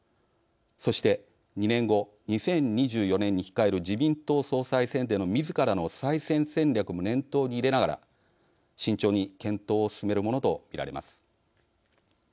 そして２年後２０２４年に控える自民党総裁選でのみずからの再選戦略も念頭に入れながら慎重に検討を進めるものと見られます。